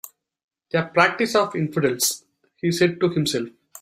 "A practice of infidels," he said to himself.